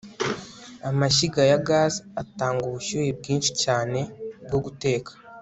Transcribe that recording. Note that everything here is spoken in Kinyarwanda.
amashyiga ya gaz atanga ubushyuhe bwinshi cyane bwo guteka